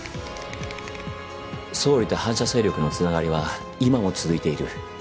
総理と反社勢力のつながりは今も続いている。